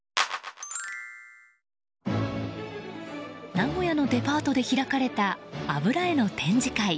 名古屋のデパートで開かれた油絵の展示会。